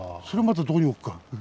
それまたどこに置くか。